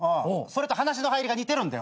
それと話の入りが似てる。